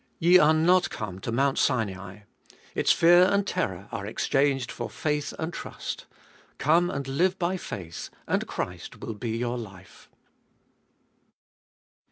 Ye are not come to Mount Sinai ; its fear and terror are exchanged for faith and trust Come and live by faith, and Christ will be your life.